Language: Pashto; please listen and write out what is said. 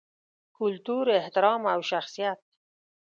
کلتور، احترام او شخصیت